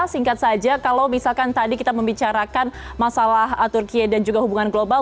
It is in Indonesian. singkat saja kalau misalkan tadi kita membicarakan masalah turkiye dan juga hubungan global